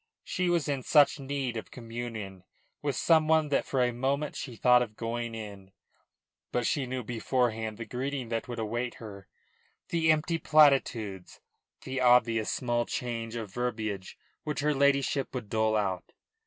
She was in such need of communion with some one that for a moment she thought of going in. But she knew beforehand the greeting that would await her; the empty platitudes, the obvious small change of verbiage which her ladyship would dole out.